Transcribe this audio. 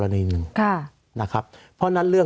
สวัสดีครับทุกคน